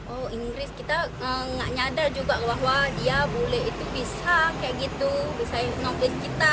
oh inggris kita nggak nyadar juga bahwa dia bule itu bisa kayak gitu bisa nongkit kita